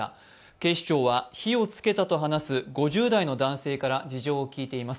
警視庁は火をつけたと話す５０代の男性から事情を聞いています。